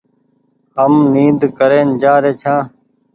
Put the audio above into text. هم نيد ڪرين جآري ڇآن ۔